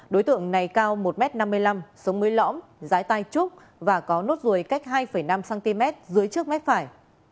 đối tượng này cao một m năm mươi năm sống mưới lõm giái tay trúc và có nốt ruồi cách hai năm cm dưới trước mép phải